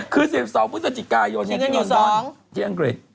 คือ๑๒พฤศจิกายนที่ลอนดอนที่อังกฤษ